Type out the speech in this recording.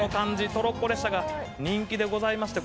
「トロッコ列車が人気でございまして」